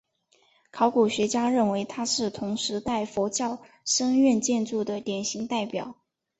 考古学家认为它是同时代佛教僧院建筑的典型代表。